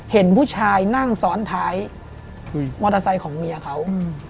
เห็นผู้ชายนั่งซ้อนท้ายมอเตอร์ไซค์ของเมียเขา